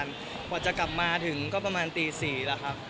วันนี้จะกลับมาก็จะถึงประมาณตีสี่ละครับ